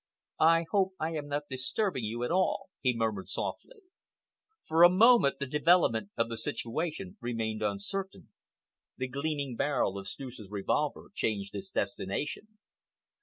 "I hope I am not disturbing you at all?" he murmured softly. For a moment the development of the situation remained uncertain. The gleaming barrel of Streuss's revolver changed its destination.